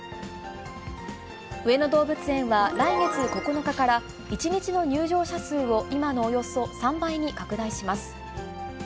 上野動物園は来月９日から１日の入場者数を今のおよそ３倍に拡大します。